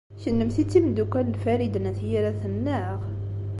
Kennemti d timeddukal n Farid n At Yiraten, naɣ?